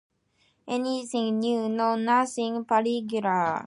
‘Anything new?’ ‘No, nothing particular'.